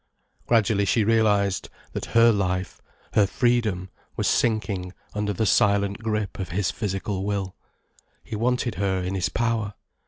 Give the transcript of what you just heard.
Gradually she realized that her life, her freedom, was sinking under the silent grip of his physical will. He wanted her in his power.